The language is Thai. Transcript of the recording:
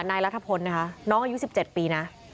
นายรัฐพลนะคะน้องอายุ๑๗ปีนะ